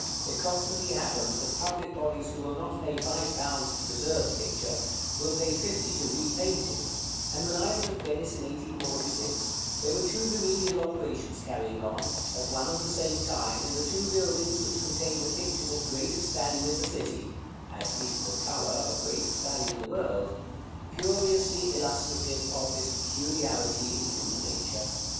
It constantly happens, that public bodies who will not pay five pounds to preserve a picture, will pay fifty to repaint it: and when I was at Venice in 1846, there were two remedial operations carrying on, at one and the same time, in the two buildings which contain the pictures of greatest value in the city (as pieces of color, of greatest value in the world), curiously illustrative of this peculiarity in human nature.